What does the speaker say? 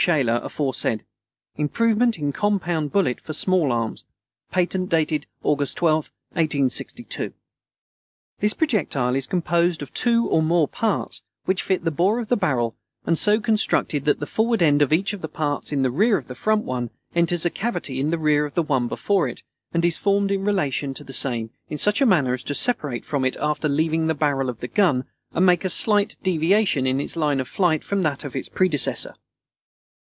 Shaler aforesaid Improvement in Compound Bullet for Small Arms Patent dated August 12, 1862. This projectile is composed of two or more parts which fit the bore of the barrel and so constructed that the forward end of each of the parts in the rear of the front one enters a cavity in the rear of the one before it, and is formed in relation to the same in such a manner as to separate from it after leaving the barrel of the gun and make a slight deviation in its line of flight from that of its predecessor.